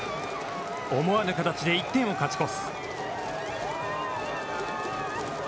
思わぬ形で１点を勝ち越す。